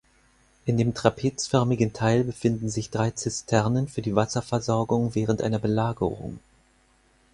In dem trapezförmigen Teil befinden sich drei Zisternen für die Wasserversorgung während einer Belagerung.